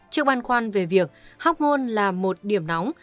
trước bàn khoan về việc hocmon là một điểm nóng